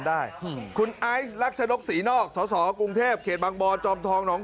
ได้คุณไอซ์รักชนกศรีนอกสสกรุงเทพเขตบางบอนจอมทองหนอง